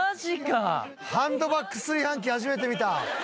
ハンドバッグ炊飯器初めて見た！